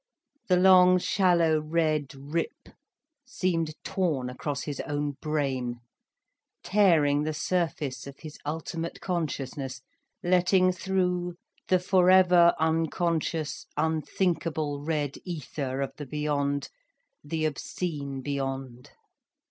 The long, shallow red rip seemed torn across his own brain, tearing the surface of his ultimate consciousness, letting through the forever unconscious, unthinkable red ether of the beyond, the obscene beyond.